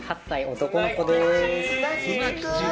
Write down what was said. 男の子です。